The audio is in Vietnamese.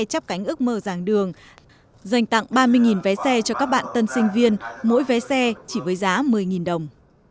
cảnh ước mở dàng đường dành tặng ba mươi vé xe cho các bạn tân sinh viên mỗi vé xe chỉ với giá một mươi đồng